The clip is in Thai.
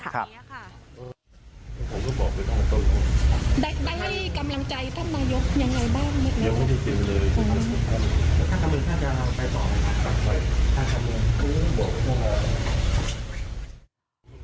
หรือเปลี่ยนเลยอย่างไร